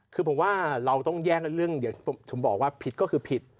คือผมว่าเราต้องแย่งเรื่องเดี๋ยวผมบอกว่าผิดก็คือผิด